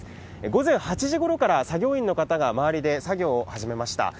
午前８時ごろから、作業員の方が周りで作業を始めました。